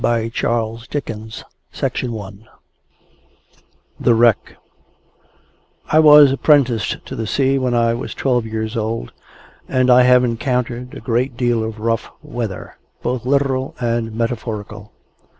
ac.uk THE WRECK OF THE GOLDEN MARY THE WRECK I was apprenticed to the Sea when I was twelve years old, and I have encountered a great deal of rough weather, both literal and metaphorical.